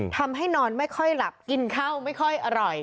นอนไม่ค่อยหลับกินข้าวไม่ค่อยอร่อย